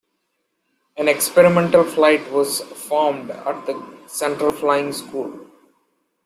An "Experimental Flight" was formed at the Central Flying School.